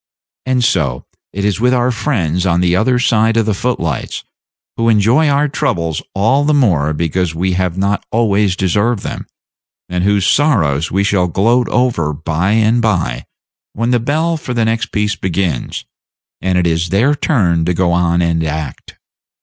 And so it is with our friends on the other side of the foot lights, who enjoy our troubles all the more because we have not always deserved them, and whose sorrows we shall gloat over by and by, when the bell for the next piece begins, and it is their turn to go on and act.